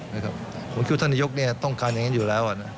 ผมถือว่าท่านนายกต้องการอย่างนั้นอยู่แล้ว